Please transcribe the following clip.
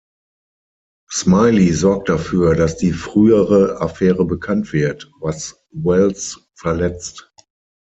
Smiley sorgt dafür, dass die frühere Affäre bekannt wird, was Wells verletzt.